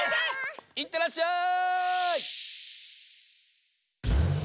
いってらっしゃい！